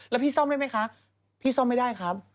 แล้วพี่ซ่อมได้ไหมคะพี่ซ่อมไม่ได้ครับ